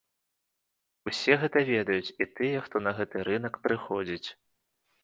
Усе гэта ведаюць, і тыя, хто на гэты рынак прыходзіць.